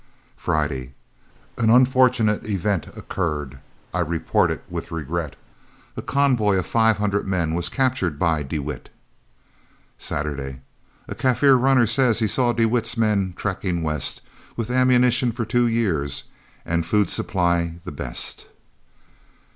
Friday An unfortunate event occurred I report it with regret, A convoy with five hundred men was captured by de Wet. Saturday A Kaffir runner says he saw de Wet's men trekking west, With ammunition for two years, and food supply the best.